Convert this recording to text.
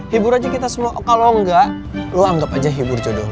hibur aja kita semua kalau enggak lo anggap aja hibur jodoh